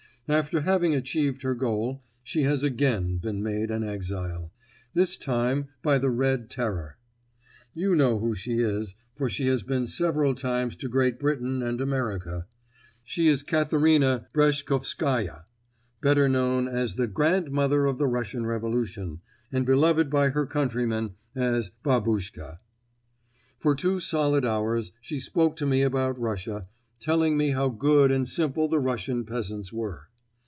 After having achieved her goal, she has again been made an exile. This time by the Red Terror. You know who she is, for she has been several times to Great Britain and America. She is Catherina Breshkoffskaja, better known as the Grandmother of the Russian Revolution, and beloved by her countrymen as Babuschka. For two solid hours she spoke to me about Russia, telling me how good and simple the Russian peasants were.